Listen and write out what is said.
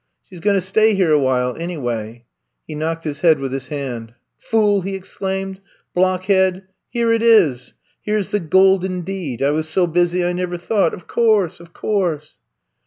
She 's going to stay here — awhile, anyway/* He knocked his head with his hand. FoolI'' he exclaimed. Blockhead I Here it is. Here 's the Golden Deed ! I was so busy I never thought. Of course; of course